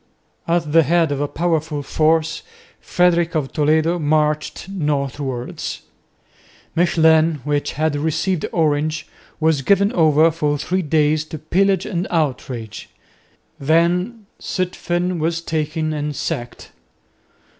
At the head of a powerful force, Frederick of Toledo marched northwards. Mechlin, which had received Orange, was given over for three days to pillage and outrage. Then Zutphen was taken and sacked.